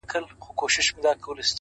اخلاص د اړیکو بنسټ پیاوړی کوي,